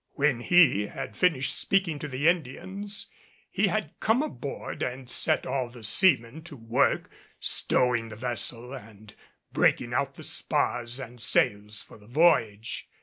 When he had finished speaking to the Indians he had come aboard and set all the seamen to work stowing the vessel and breaking out the spars and sails for the voyage.